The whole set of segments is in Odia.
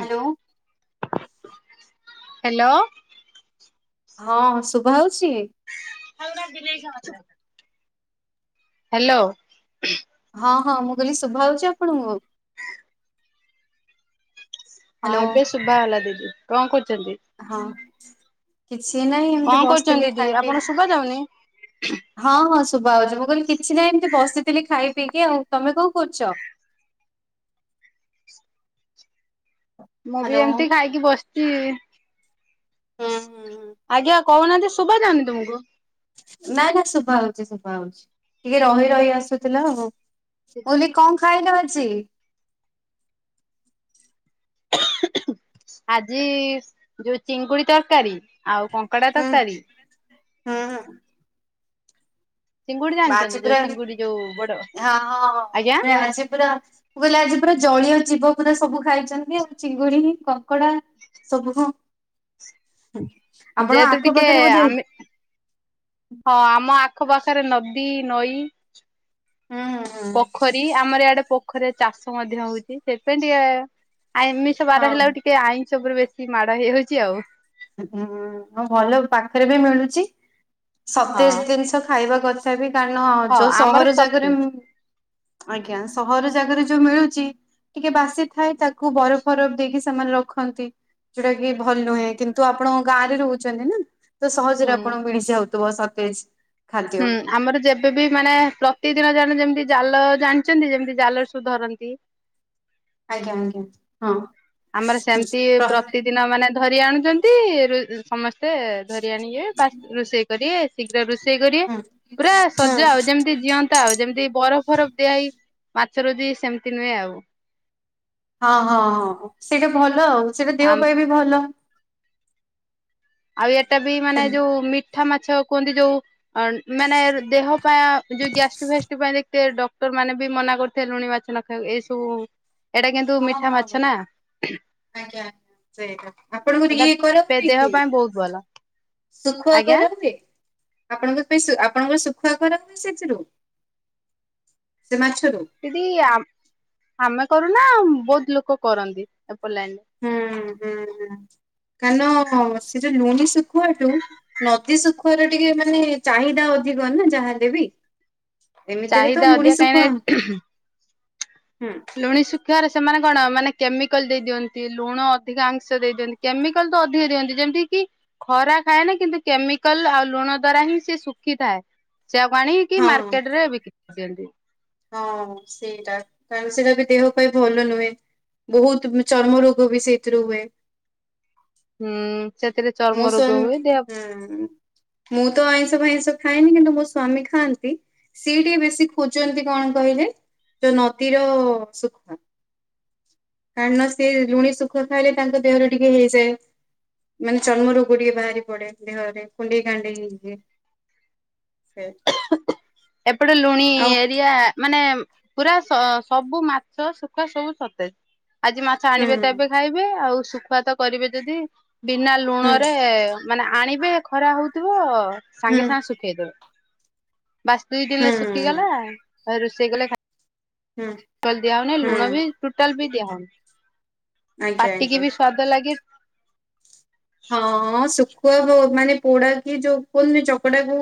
ହ୍ୟାଲୋ। ହ୍ୟାଲୋ। ହଁ ଶୁଭା ହଉସି। [unintelligible] ହେଲୋ। ହଁ, ହଁ ମୁଁ କହିଲି ଶୁଭା ହଉଛି ଆପଣଙ୍କୁ? ହଁ ହ୍ୟାଲୋ ଏବେ ଶୁଭା ହେଲା ଦିଦି, କଣ କରୁଛନ୍ତି? ହଁ କିଛି ନାହିଁ କଣ ଏମିତି ବସିଥିଲି କରୁଛନ୍ତି ଦିଦି ଖାଇଵି ଆପଣ ଶୁଭା ଯାଉନି? ହଁ, ହଁ ଶୁଭା ହଉଛି। ମୁଁ କହିଲି କିଛି ନାହିଁ ଏମିତି ବସିଥିଲି ଖାଇ ପିଇକି ଆଉ। ତମେ କଣ କରୁଛ? ମୁଁ ବି ହ୍ୟାଲୋ। ଏମତି ଖାଇକି ବସିଚି। ହୁଁ ହୁଁ ହୁଁ ଆଜ୍ଞା କହୁନାହାନ୍ତି, ଶୁଭା ଯାଉନି ତୁମକୁ? ନା ନା ଶୁଭା ହଉଚି ଶୁଭା ହଉଛି ଟିକେ ରହି ରହି ଆସୁଥିଲା ଆଉ। ମୁଁ କହିଲି କ ଖାଇ ଦଉଛି। ଆଜି ଯୋଉ ଚିଙ୍ଗୁଡି ତରକାରୀ ଆଉ କଙ୍କଡା ତରକାରୀ। ଅଁ, ହଁ। ଚିଙ୍ଗୁଡି ଜାଣିଛନ୍ତି ମାଝି ଯୋଉ ପୁରା ହଁ, ଚିଙ୍ଗୁଡି ଯୋଉ ବଡ ହଁ, ହଁ ଆଜ୍ଞା ମୁଁ ଆଜି ପୁରା ମୁଁ କହିଲେ ଆଜି ପୁରା ଜଳୀୟ ଜୀବ ପୁରା ସବୁ ଖାଇଛନ୍ତି ଆଉ। ଚିଙ୍ଗୁଡ଼ି ହିଁ କଙ୍କ କଡା ସବୁ ହଁ ଯେହେତୁ ଟିକେ ଆମେ ହଁ ଆମ ଆଖପାଖରେ ନଦୀ ନଈ ହୁଁ ହୁଁ ଖରୀ ଆମର ଇଆଡେ ପୋଖରୀରେ ଚାଷ ମଧ୍ୟ ହଉଛି। ସେପାଇଁ ଟିକେ ଆମିଷ ବାର ହଁ ହେଲା ଆଉ ଟିକେ ଆଇଁଷ ଉପରେ ବେଶୀ ମାଡ ହେଇଯାଉଛି ଆଉ। ଅଁ, ହଁ, ହଁ ଭଲ ପାଖରେ ବି ମିଳୁଛି। ହଁ ସତେଜ ଜିନିଷ ଖାଇବା କଥ ତଥାବି କାନ ହଁ ଯୋଉ ଆମର ସହର ଜାଗାରେ ସତେଜ ମୁଁ ଆଜ୍ଞା ସହର ଜାଗାରେ ଯୋଉ ମିଳୁଛି। ଟିକେ ବାସିଥାଏ ତାକୁ ବରଫ ଫରଫ ଦେଇକି ସେମାନେ ରଖନ୍ତି। ଯୋଉଟା କି ଭଲ ନୁହେଁ। କିନ୍ ତ ଆପଣ ଗାଁରେ ରହୁଛନ୍ତି ନା ତ ହୁଁ। ସହଜରେ ଆପଣଙ୍କୁ ମିଳିଯାଉଥୁବ ସତେଜ। ଖାଦ୍ୟ ହୁଁ। ଆମର ଯେବେବି ମାନେ ପ୍ରତିଦିନ ଜଣେ ଯେମତି ଜାଲ ଜାଣିଛନ୍ତି? ଯେମିତି ଜାଲ ସବୁ ଧରନ୍ତି। ଆଜ୍ଞା, ଆଜ୍ଞା, ହଁ। ଆମର ହୁଁ ସେମିତି ପ୍ରତିଦିନ ମାନେ ଧରି ଆଣୁଛନ୍ତି। ରୁ ସମସ୍ ତେ ଧରି ଆଣିବେ ପାସ ରୋଷେଇ କରିବେ ଶୀଘ୍ର ରୋଷେଇ କରିବେ। ହୁଁ ପୁରା ସଜା ଆଉ ଯେମିତି ଜିଅନ୍ ତା ଯେମିତି ବରଫ ଫରଫ ଦିଆ ହେଇ ମାଛ ର ଯି ସେମତି ନୁହେଁ ଆଉ। ହଁ, ହଁ, ହଁ ସେଇଟା ଭଲ ଆଉ ସେଇଟା ଦେହ ଆମ ପାଇଁ ବି ଭଲ। ଆଉ ଏଟା ବି ମାନେ ଯୋଉ ମିଠା ମାଛ କୁହନ୍ତି ଯୋଉ ଅନ୍ ମାନେ ଦେହ ପା ଯୋଉ ଗ୍ୟାଷ୍ଟିକି ଫାଷ୍ଟିକି ପାଇଁ ଦେଖିବେ ଡକ୍ଟର ମାନେ ବି ମନା କରି ସେ ଲୁଣି ମାଛ ନ ଖାଇବା କୁ। ଏ ସବୁ ଏଇଟା କିନ୍ତୁ ହଁ, ମିଠା ହଁ, ମାଛ ନା ହଁ ଆଜ୍ଞା। ସେଇଟା, ଆପଣଙ୍କର ଏଟା ଇଏ କରା ହୁଏ ଦେହ କି? ପାଇଁ ବହୁତ ଭଲ ଶୁଖୁଆ ଆଜ୍ଞା କରା ହୁଏ? ଆପଣଙ୍କର ସେଇ ଶୁ ଆପଣଙ୍କର ଶୁଖୁଆ କରା ଯାଏ ସେଥିରୁ, ସେ ମାଛରୁ? ଦିଦି ଆମ ଆମେ କରୁନା, ବହୁତ ଲୋକ କରନ୍ତି ଏପଟ ଲାଇନରେ। ହୁଁ ହୁଁ ହୁଁ କାରଣ ସେଇ ଯୋଉ ଲୁଣ ଶୁଖୁଆଠୁ। ନଦୀ ଶୁଖାର ଟିକେ ମାନେ ଚାହିଦା ଅଧିକ ନା ଯାହାଲେ ବି। ଏମିତିରେ ତ ଚାହିଦା ଲୁଣି ଅଧିକା କାହିଁକି ଶୁଖୁଆ ନା ହୁଁ। ଲୁଣି ଶୁଖୁଆରେ ସେମାନେ କଣ ମାନେ କେମିକାଲ ଦେଇ ଦିଅନ୍ତି ଲୁଣ ଅଧିକା ଅଂଶ ଦେଇ ଦିଅ କେମିକାଲ ତ ଅଧିକ ଦିଅନ୍ତି ଯେମିତି କି। ଖରା ଖାଏ ନା କିନ୍ତୁ କେମିକାଲ ଆଉ ଲୁଣ ଦ୍ଵାରା ହିଁ ସିଏ ଶୁଖିଥାଏ ସେଆକୁ ଆଣି। କି ହଁ ମାର୍କେଟ ରେ ବିକ୍ରି କରିଦିଅନ୍ତି। ହଁ ସେଇଟା କାରଣ ସେଇଟା ବି ଦେହ ପାଇଁ ଭଲ ନୁହେଁ। ବହୁତ ଚର୍ମ ରୋଗ ବି ସେଇଥିରୁ ହୁଏ। ହୁଁ ସେଥିରେ ଚର୍ମ ରୋଗ ମୌସମ ହୁଏ ଦେହ ହୁଁ। ମୁଁ ତ ଆଇଁଷ ଫାଇଁଷ ଖାଏନି କିନ୍ତୁ ମୋ ସ୍ଵାମୀ ଖାଆନ୍ତି ସିଏ ଟିକେ ବେଶୀ ଖୋଜନ୍ତି। କଣ କହିଲେ ଯୋଉ ନଦୀର ଶୁଖୁଆ। କାରଣ ସିଏ ଲୁଣି ସୁଖୁଆ ଖାଇଲେ ତାଙ୍କ ଦେହରେ ଟିକେ ହେଇଯାଏ। ମାନେ ଚର୍ମ ରୋଗ ଟିକେ ବାହାରି ପଡେ ଦେହରେ କୁଣ୍ଡେଇ କାଣ୍ଡେଇ ହେଇ ଯାଏ। ସେଠ। ଏପଟେ ଲୁଣି ଏରିଆ ମାନେ ପୁରା ସ-ସବୁ ମାଛ ଶୁଖୁଆ ସବୁ ସତେଜ ଆଜି ମାଛ ହୁଁ ଆଣିବେ ତ ଏବେ ଖାଇ ଵେ ଆଉ ଶୁଖୁଆ ତ କରିବେ ଯଦି ବିନା ହୁଁ ଲୁଣରେ। ମାନେ ଆଣିବେ ଖରା ହଉଥିବ ହୁଁ ସାଙ୍ଗେ ସାଙ୍ଗେ ଶୁଖେଇଦ ବାସ୍ ଦୁଇ ହୁଁ ଦିନ ହୁଁ। ଶୁଖିଗଲା ତାପରେ ରୋଷେଇ କଲେ ଖା ହୁଁ ଟାଲ ଦିଆ ହଉନି ହୁଁ ଲୁଣ ବି ଟୋଟାଲ ବି ଦିଆହଉନି ଆଜ୍ଞା ପାଟିକି ଆଜ୍ଞା। ବି ସ୍ଵାଦ ଲାଗେ। ହଁ ଶୁଖୁଆ ପୋ ମାନେ ପୋଡା କି ଯୋଉ କହିଲୁନି ଚକଟାକୁ।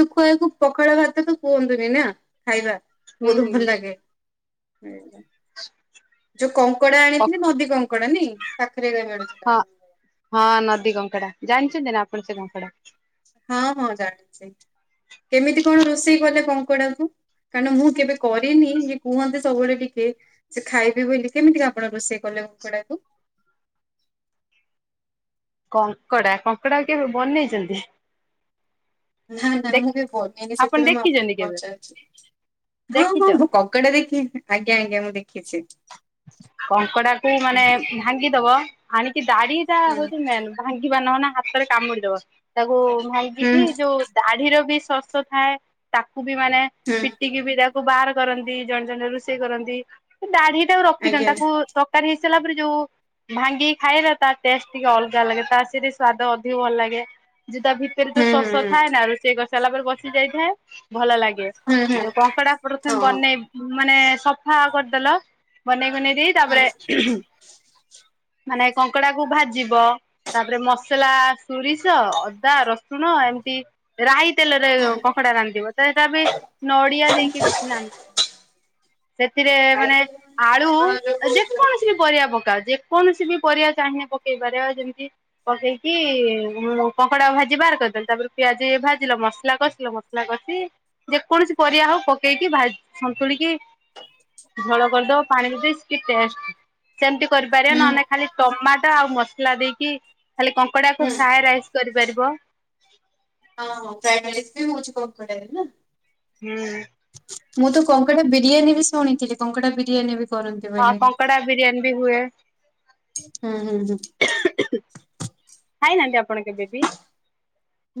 ଶୁଖୁଆ କୁ ପଖାଳ ଭାତ ତ କୁହନ୍ତୁନି ନା ଖାଇବା। ହୁଁ ବହୁତ ହୁଁ ଭଲ ଲାଗେ ଏଇଟା। ଯୋଉ କଙ୍କଡା ଆଣିଥିଲି ହଁ ନଦୀ କଙ୍କଡା ନି ପାଖରେ ଏକା ମିଳୁଚି ସେଟା ହଁ ନଦୀ କଙ୍କଡା ଜାଣିଛନ୍ତି ନା ଆପଣ ସେ କଙ୍କଡା? ହଁ ହଁ ଜାଣିଛି କେମିତି କଣ ରୋଷେଇ କଲେ କଙ୍କଡା କୁ? କାରଣ ମୁଁ କେବେ କରିନି ଇଏ କୁହନ୍ତି ସବୁବେଳେ ଟିକେ। ସେ ଖାଇବେ ବୋଲି କେମିତି ଆପଣ ରୋଷେଇ କଲେ ଙ୍କକଡ଼ା କୁ? କଙ୍କଡା କଙ୍କଡା କେବେ ବନେଇଛନ୍ତି? ନା ନା ମୁଁ କେବେ ବନେଇନି ଆପଣ ସେଥିପାଇଁ ମୁଁ ଦେଖିଛନ୍ତି ଆପ କେବେ? ପଚାରୁଛି। ହଁ ଦେଖିଛ? ହଁ ମୁଁ ଙ୍କକଡା ଦେଖି ଆଜ୍ଞା ଆଜ୍ଞା ମୁଁ ଦେଖିଛି। କଙ୍କଡା କୁ ମାନେ ହୁଁ ଭାଙ୍ଗି ଦବ ଆଣିକି ଦାଢି ଟା ହଉଚି ମେନ। ଭାଙ୍ଗିବା ନହନେ ହାତରେ କାମୁଡିଦବ ତାକୁ ହୁଁ ଭାଙ୍ଗିକି ଯୋଉ। ଦାଢିର ବି ଶସ ଥାଏ ତାକୁ ବି ମାନେ ହୁଁ ପି ଟିକି ବି ତାକୁ ବାହାର କରନ୍ତି ଜଣେ ଜଣେ ରୁଷେଇ କରନ୍ତି ଦାଢି ଟାକୁ ଆଜ୍ଞା ରଖିଦିଅନ୍ତି ତାକୁ ତ ତରକାରୀ ହେଇ ସାରିଲା ପରେ ଯୋଉ। ଭାଙ୍ଗିକି ଖାଇବେ ତା ତା ଟେଷ୍ଟ ଟିକେ ଅଲଗା ଲାଗେ ତା ସେଥିରେ ସ୍ଵାଦ ଅଧିକ ଭଲ ଲାଗେ ଯଉ ତା ଭିତ ରେ ହୁଁ ଯୋଉ ଶସ ହୁଁ ଥାଏ ନା ରୋଷେଇ କରି ସାରିଲା ପରେ ବସି ଯାଇଥାଏ ଭଲ ଲାଗେ ହୁଁ ହୁଁ ହୁଁ ଯୋଉ କଙ୍କଡା। ପ୍ରଥମେ ହଁ ହଁ। ବନେଇବ ମାନେ ସଫା କରିଦେଲ। ବନେଇ ବୁନେଇ ଦେଇ ହୁଁ ତାପରେ ମାନେ କଙ୍କଡା କୁ ଭାଜିବ। ତାପରେ ମସଲା, ସୁରିଷ, ଅଦା, ରସୁଣ ଏମିତି ରାଇ ତେଲରେ ହୁଁ ଙ୍କକଡା ରାନ୍ଧିବ ତ ସେଟା ବି ନଡିଆ ଦେଇକି ରାନ୍ଧି। ସେଥିରେ ମାନେ ଖାଇଥିଲେ ମାନେ ଆଳୁ ଆପଣ ଯୋଉ ଯେ କଣ କହୁଛନ୍ତି ସି ପରିବା ପକାଅ ଯେକୌଣସି ବି ପରିବା ଚାହିଁନେ ପକେଇ ପାରିବ ଯେମିତି। ପକେଇକି ହୁଁ ଙ୍କକଡା ଭାଜି ବାହାର କରିଦେଲ ତାପରେ ପିଆଜି ଭାଜିଲ ମସଲା କସିଲ ମସ ଲା କସିି ଯେକୌଣସି ପରିବା ହଉ ପକେଇକି ଭା ସନ୍ତୁଳିକି। ଝୋଳ କରିଦବ ପାଣି ମିଶେଇ କି ଟେଷ୍ଟ ସେମିତି କରିପାରିବ ହୁଁ ନହନେ। ଖାଲି ଟମାଟୋ ଆଉ ମସଲା ଦେଇକି ଖାଲି ଙ୍କକଡାକୁ ହୁଁ। ଫ୍ରାଏ ରାଇସ୍ କରିପାରିବ। ହଁ ହଁ ଫ୍ରାଏଡ ରାଇସ୍ ବି ମୁଁ ହଉଛି କରିପାରିବି ନା। ହୁଁ ମୁଁ ତ କଙ୍କଡା ବିରିୟାନୀ ବି ଶୁଣିଥିଲି କଙ୍କଡା ବିରିୟାନୀ ବି କରନ୍ତି ହଁ ବୋଲିଇ କଙ୍କଡା ବିରିୟାନୀ ବି ହୁଏ ହୁଁ ହୁଁ ହୁଁ। ଖାଇନାହାନ୍ତି ଆପଣ କେବେ ବି?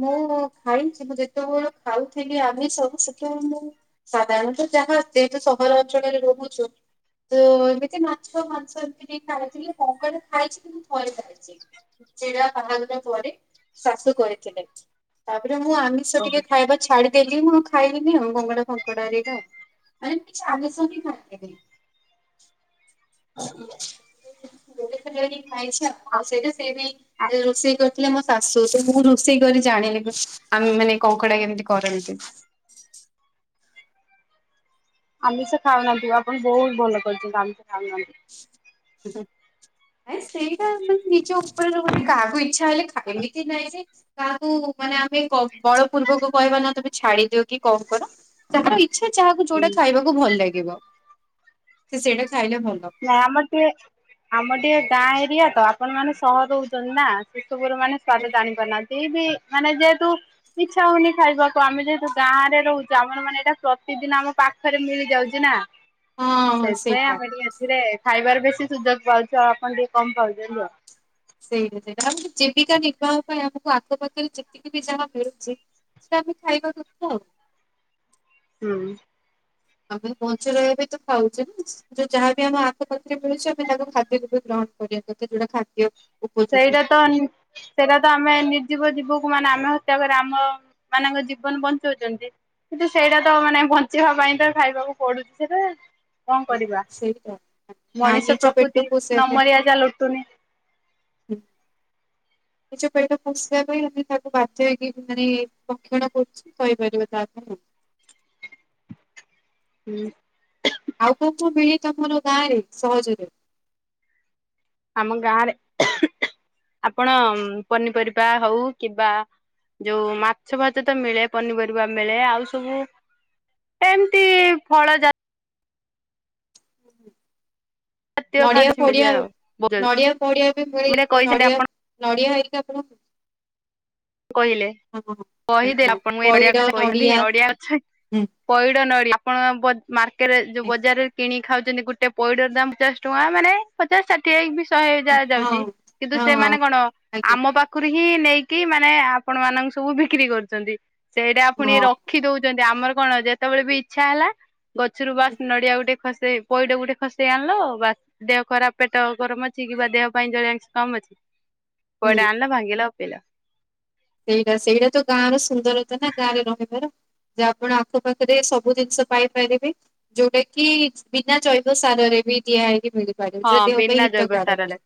ମୁଁ ଖାଇଛି ମୁଁ ଯେତେବେଳେ ଖାଉଥିଲି ଆମିସ ସେତେବେଳେ ମୁଁ ସାଧାରଣତ ଯାହା ସେ ତ ସହରା ଅଞ୍ଚଳରେ ରହୁଛୁ ତ ଏମିତି ମାଛ ମାଂସ ଏମିତି ଟ ଖାଇଥିଲି କଙ୍କଡା ଖାଇଛି କିନ୍ତୁ ଥରେ ଖାଇଛି। ଜିଯା ବାହାଘର ପରେ ଶାଶୁ କରିଥିଲେ ତାପରେ ମୁଁ ଆମିଷ ଓହୋ। ଟିକେ ଖାଇବା ଛାଡିଦେଲିି ମୁଁ ଆଉ ଖାଇଲିିନି ଆଉ କଙ୍କଡ଼ା ଫଙ୍କଡା ହେରିକା ଆଉ। ମାନେ କିଛି ଆମିଷ ବି ଖାଆନ୍ତିନି? [unintelligible] ଗୋଟେ ଥର ଖାଇଛି ଆଉ। ଆ ଆଉ ସେଇଟୁ ସେ ଆ ନେଇ ରୋଷେଇ କରିଥିଲେ ମୋ ଶାଶୁ। ସେ ମୁଁ ରୁ ରୋଷେଇ କରି ଜାଣିଲେ ଆମେ ମାନେ କଙ୍କଡା କେମିତି କରନ୍ତି? ଆମିଷ ଖାଉନଥିବ ଆପଣ ବହୁତ ଭଲ କରୁଛନ୍ତି ଆମିଷ ଖାଉନାହାନ୍ତି। ଆ ସେଇଟା ମାନେ ନିଜ ଉପରେ ଗୋଟେ କାକ‌ୁଟି ଇଚ୍ଛା ହେଲେ ଖାଏନି। ଅମିତ୍ ନାଇ ଯେ କାହାକୁ ମାନେ ଆମେ ବଳ ପୂର୍ବକୁ କହିବା ନା ତମେ ଛାଡି ଦିଅ କି କଣ କର ତାଙ୍କ ଇ ଆଚ୍ଛା ଯାହାକୁ ଯୋଉଟା ହୁଁ। ଖାଇବାକୁ ଭଲ ଲାଗିବ ସେ ସେଇଟା ଖାଇଲେ ଭଲ। ନାଇଁ ଆମର ଟିକେ ଆମ ଟିକେ ଗାଁ ଏରିଆ ତ, ଆପଣ ମାନେ ସହରରେ ରହୁଛନ୍ତି ନା। ଏସବୁ ର ମାନେ ସ୍ଵାଦ ଜାଣି ପାରୁନାହାନ୍ତି ପି ବି ମାନେ ଯେହେତୁ ଇଛା ହଉନି ଖାଇବାକୁ ଆମେ ଯେହେତୁ ଗାଁରେ ରହୁଛୁ ଆମର ମାନେ ଏଇଟା ପ୍ରତିଦିନ ଆମ ପା ଖରେ ମିଳି ଯାଉଛି ନା। ହଁ ସେଥିପାଇଁ ସେଇଟା। ଆମେ ଟିକେ ଏଥିରେ ଖାଇବାର ବେଶି ସୁଯୋଗ ପାଉଛୁ। ଆଉ ଆପଣ ଟିକେ କମ ପାଉଛନ୍ତି ଆଉ। ସେଇଟା ସେଇଟା ଆମ ଜୀବିକା ନିର୍ବାହ ପାଇଁ ଆମକୁ ଆଖପାଖରେ ବି ଯାହା ମିଳୁଛି ସେଇଟା ଆମେ ଖାଇବା କଥା ଆଉ। ହୁଁ। ଆମେ ବଞ୍ଚିରହିବା ପାଇଁ ତ ଖାଉଛେ ଯୋଉ ଯାହାବି ଆମ ଆଖ ପାାଖରେ ମିଳୁଛି ଆମେ ତାକୁ ଖାଦ୍ୟ ରୂପେ ଗ୍ରହଣ କରିବା କଥା ଯୋଉଟା ଖାଦ୍ୟ ଉପଯୋଗୀ। ସେଇଟା ତ ସେଇଟା ତ ଆମେ ନିର୍ଜୀବ ଜୀବକୁ ମାନେ ଆମେ ହତ୍ୟା କରି ଆମ ମାନଙ୍କ ଜୀବନ ବଞ୍ଚଉଛନ୍ତି। କିନ୍ତୁ ସେଇଟା ତ ମାନେ ବଞ୍ଚିବା ପାଇଁ ତ ଖାଇବାକୁ ପଡୁଛି ସେଟା କଣ କରିବା ସେଇଟା ଆଉ ମଣିଷ ପ୍ରକୃତି ନ ମରିଆ ଯାଏ ଲୁଟୁନି। ହୁଁ। ନିଜ ପେଟ ପୋଷିବା ପାଇଁ ଆମେ ତାକୁ ବାଧ୍ୟ ହେଇକି ମାନେ ଭକ୍ଷଣ କରୁଛୁ। କହିପାରିବ ତା ପଇଁ ଆଉ ହୁଁ। ଆଉ କୋଉ କୋଉ ମିଳେ ତମର ଗାଁ ରେ ସହଜରେ? ଆମ ଗାଁରେ ଆପଣ ପନିପରିବା ହଉ କିବା ଯୋଉ ମାଛ ଫାଛ ତ ମିଳେ ପନିପରିବା ମିଳେ। ଆଉ ସବୁ ଏମିତି ଫଳ ଜା ଜାତୀୟ ନଡିଆ ଖାଦ୍ୟ ମିଳେ ଫଡିଆ ଆଉ। ମୁଁ ନଡିଆ ଫଡିଆ ବି ମିଳେ କହିସାରି ନଡିଆ ଆପଣ ନଡିଆ ହେରିକା ବହୁତ୍ କହିଲେ ହଁ କହିଦେ ଆଜ୍ଞା ଆପଣଙ୍କୁ ନଡିଆ ପଇଡ କଥା କହିଥାନ୍ତି ନଡିଆ ନଡ଼ିଆ [unintelligible] ହୁଁ। ପଇଡ ନଡି ଆପଣ ମାର୍କେଟରେ ଯୋଉ ବଜାରରେ କିଣି ଖାଉଛନ୍ତି ଗୋଟେ ପଇଡର ଦାମ ଦଶ ଟଙ୍କା ମାନେ ପଚାଶ ଷାଠିଏ ହେ ବି ଶହେ ହେଇ ହଁ ଯାଉଛି ହଁ କିନ୍ତୁ ସେମାନେ କଣ ଆଜ୍ଞା ଆମ ପାଖ ରୁ ହିଁ ନେଇକି ମାନେ ଆପଣ ମାନଙ୍କୁ ସବୁ ବିକ୍ରି କରୁଛନ୍ତି। ସେଇଟା ପୁଣି ର ହଁ ରଖି ଦଉଛନ୍ତି ଆମର କଣ ଯେତେବେଳେ ବି ଇଚ୍ଛା ହେଲା ଗଛରୁ ବାସ୍ ନଡିଆ ଗୋଟେ ଖସେଇ ପଇଡ ଗୋଟେ ଖସେଇ ଆଣିଲ ବା ଦେହ ଖରାପ ପେଟ ଗରମ ଅଛି କିମ୍ବା ଦେହ ପାଇଁ ଜଳୀୟ ଅଂଶ କମ ଅଛି ହୁଁ। ପଇଡ ଆଣିଲ ଭାଙ୍ଗିଲ ପିଇଲ। ସେଇଟା ସେଇଟା ତ ଗାଁ ର ସୁନ୍ଦରତା ନା ଗାଁରେ ରହିବାର। ଯେ ଆପଣ ଆଖ ପାାଖରେ ସବୁ ଜିନିଷ ପାଇପାରିବେ। ଯୋଉଟା କି ବିନା ଜୈବ ସାରରେ ବି ଦିଆ ହେଇକି ମିଳୁ ହଁ ବିନା ଜୈବ ସାରରେ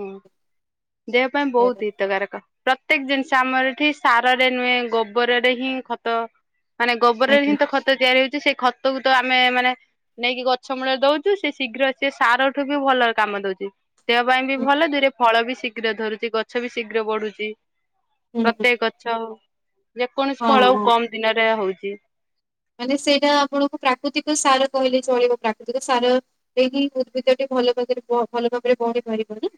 ହୁଁ ଦେହ ପାଇଁ ବହୁତ ହିତକାରକ। ପ୍ରତ୍ୟେକ ଜିନିଷ ଆମର ଏଠି ସାରରେ ନୁହେଁ ଗୋବରରେ ହିଁ ଖତ ମାନେ ଗୋବରରେ ହିଁ ଆଜ୍ଞା ତ ଖ ତ ତିଆରି ହଉଛି ସେଇ ଖତକୁ ତ ଆମେ ମାନେ ନେଇକି ଗଛ ମୂଳରେ ଦଉଛୁ। ସେ ଶୀଘ୍ର ସିଏ ସାର ଏଠୁ ବି ଭଲରେ କାମଦଉଛି ଦେହପାଇଁ ବି ହୁଁ ଭଲ ଦୁଇରେ ଫଳବି ଶିଖ ଘ୍ର ଧରୁଛି ଗଛ ବି ଶୀଘ୍ର ବଢୁଛି ହୁଁ ହୁଁ ପ୍ରତ୍ୟେକ ଗଛ ଯେକୌଣସି ହଁ ଫଳ ଆଉ ହଁ। କମ ଦିନରେ ହଉଛି। ମାନେ ସେଇଟା ଆପଣଙ୍କୁ ପ୍ରାକୃତିକ ସାର କହିଲେ ଚଳିବ ପ୍ରାକୃତିକ ସାର ସେହି ଉଦ୍ଭିଦଟେ ଭଲ ଭାବରେ ଭଲ ଭାବରେ ବଢି ପାରିବ କି?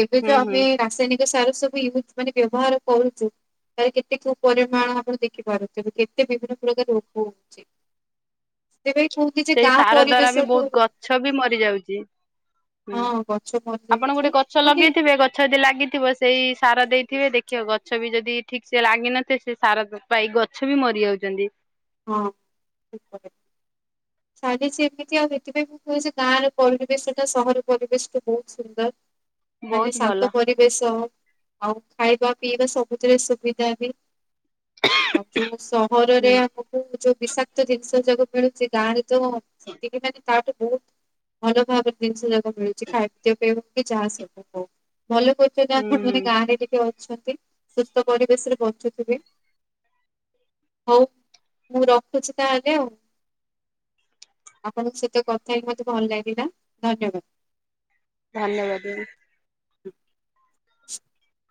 ଏବେ ହୁଁ ଯୋଉ ହୁଁ। ଆମେ ରାସାୟନିକ ସାର ସବୁ ୟୁଜ ମାନେ ବ୍ୟବହାର କରୁଛୁ ତା କେତେ କେଉଁ ପରିମାଣ ଆପଣ ଦେଖିପାରୁଥେ କେତେ ବିଭିନ୍ନ ପ୍ରକାର। [unintelligible] କହୁଛି ଯେ ସେଇ ଗାଁ ସାର ଦ୍ଵାରା ବି ପରିବେଶଠୁ ବହୁତ ଗଛ ବି ମରି ଯାଉଛି। ହୁଁ ହଁ ଗଛ ଆପଣ ମରିଯାଉଛି ଗୋଟେ ଗଛ ମାନେ ଲଗେଇଥିବେ ଗ ଛ ଯଦି ଲାଗିଥିବ ସେଇ ସାର ଦେଇଥିବେ ଦେଖିବେ ଗଛ ବି ଯଦି ଠିକସେ ଲାଗିିନଥିବ ସେ ସାର ପାଇ ଗଛ ବି ମରି ଯାଉଛନ୍ତି। ହଁ। ଚାଲିଛି ଏମିତି ଆଉ ସେଥିପାଇଁ ମୁଁ କହୁଛି ଗାଁ ର ପରିବେଶ ଟା ସହର ପରିବେଶ ଟୁ ବହୁତ ସୁନ୍ଦର। ମାନେ ବହୁତ ଭଲ ଶାନ୍ତ ପରି ବେଶ ଆଉ ଖାଇବାପିଇବା ସବୁଥିରେ ସୁବିଧା ବି। ଆଉ ଯୋଉ ସହରରେ ହୁଁ ଆମକୁ ଯୋଉ ବିଷାକ୍ତ ଜିନିଷ ଯାକ ମିଳୁଛି ଗାଁରେ ତ ସେତିକି ମାନେ ତାଠୁ ବହୁତ ଭଲ ଭାବରେ ଜିନିଷଯାକ ମିଳୁଛି ଖାଦ୍ୟପେୟ ହଉ କି ଯାହାସବୁ ହଉ ଭଲ କରି ସେ ହୁଁ ଆପଣାନେ ହୁଁ ଗାଁରେ ଟିକେ ଅଛନ୍ତି ସୁସ୍ଥ ପରିବେଶରେ ବଞ୍ଚୁଥିବେ ହଉ ମୁଁ ରଖୁଛି ତା ହେଲେ ଆଉ। ଆପଣଙ୍କ ସହିତ କଥା ହେଇ ମତେ ଭଲ ଲାଗିଲା ଧନ୍ୟବାଦ। ଧନ୍ୟବାଦ ଦିଅନି। [inaudible]